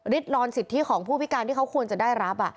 รอนสิทธิของผู้พิการที่เขาควรจะได้รับ